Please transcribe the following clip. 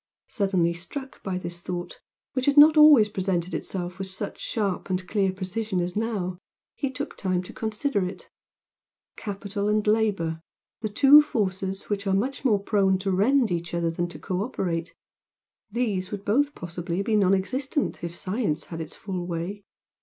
Suddenly struck by this thought, which had not always presented itself with such sharp and clear precision as now, he took time to consider it. Capital and Labour, the two forces which are much more prone to rend each other than to co operate these would both possibly be non existent if Science had its full way.